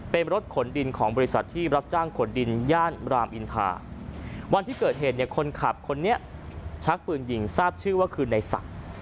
เป็นรถขนดินของบริษัทที่รับจ้างขนดินย่านรามอินทาวันที่เกิดเหตุเนี่ยคนขับคนนี้ชักปืนยิงทราบชื่อว่าคือในศักดิ์